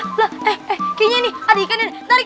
kayaknya ini ada ikan tarik tarik